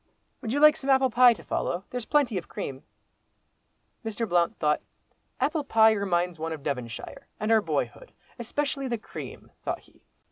Would you like some apple pie to follow, there's plenty of cream?" Mr. Blount would. "Apple pie reminds one of Devonshire, and our boyhood—especially the cream," thought he.